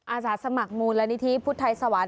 อาสาสมัครมูลนิธิพุทธไทยสวรรค